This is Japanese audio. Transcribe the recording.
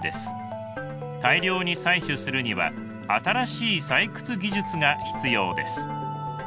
大量に採取するには新しい採掘技術が必要です。